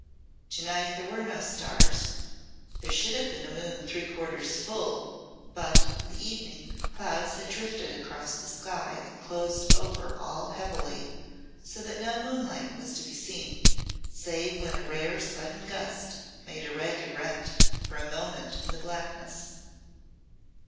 To night there were no stars. There should have been a moon three quarters full, but, in the evening, clouds had drifted across the sky and closed over all heavily, so that no moonlight was to be seen, save when a rare sudden gust made a ragged rent, for a moment, in the blackness.